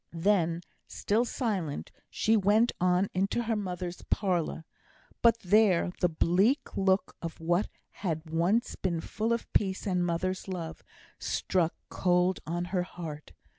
Then, still silent, she went on into her mother's parlour. But there, the bleak look of what had once been full of peace and mother's love, struck cold on her heart.